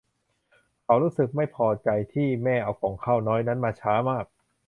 เขารู้สึกไม่พอใจที่แม่เอาก่องข้าวน้อยนั้นมาช้ามาก